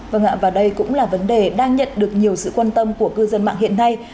vâng ạ và đây cũng là vấn đề đang nhận được nhiều sự quan tâm của cư dân mạng hiện nay